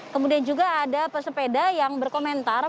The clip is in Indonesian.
kemudian juga ada pesepeda yang berkomentar